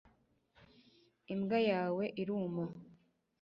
imbwa yawe iruma